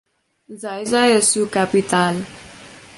Xai-Xai es su capital.